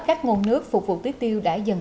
các nguồn nước phục vụ tiết tiêu đã dần